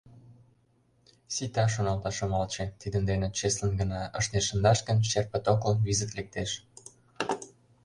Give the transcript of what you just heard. «Сита, — шоналта Шымалче, — тидын дене чеслын гына ыштен шындаш гын, черпыт огыл, визыт лектеш.